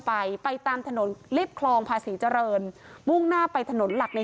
ไปไปตามถนนเรียบคลองภาษีเจริญมุ่งหน้าไปถนนหลักใน